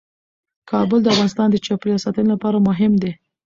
کابل د افغانستان د چاپیریال ساتنې لپاره مهم دي.